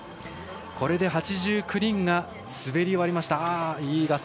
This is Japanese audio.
これで８９人が滑り終わりました。